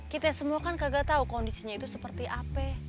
kita semua kan kagak tau kondisinya itu seperti ape